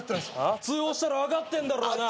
通報したら分かってんだろうな。